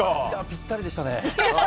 ぴったりでしたね。